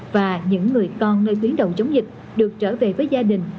và những người con nơi tuyến đầu chống dịch được trở về với gia đình